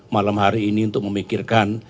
malam hari ini untuk memikirkan